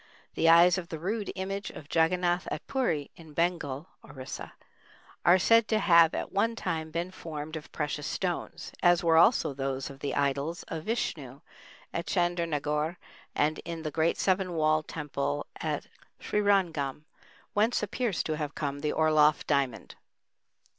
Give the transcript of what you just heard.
The eyes of the rude image of Jagganath at Puri, in Bengal (Orissa), are said to have at one time been formed of precious stones, as were also those of the idols of Vishnu at Chandernagore and in the great seven walled temple at Srirangam, whence appears to have come the Orloff diamond.